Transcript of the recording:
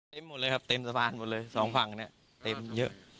หมดเลยครับเต็มสะพานหมดเลยสองฝั่งเนี่ยเต็มเยอะ